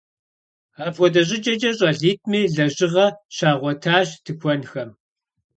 Апхуэдэ щӏыкӏэкӏэ щӏалитӏми лэжьыгъэ щагъуэтащ тыкуэнхэм.